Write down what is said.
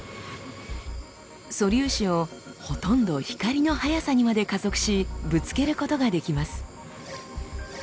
素粒子をほとんど光の速さにまで加速しぶつけることができます。